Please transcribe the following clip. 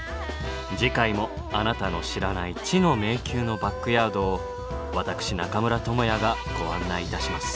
次回もあなたの知らない「知の迷宮」のバックヤードを私中村倫也がご案内いたします。